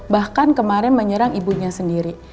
bahkan kemarin menyerang ibunya sendiri